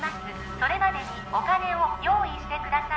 それまでにお金を用意してください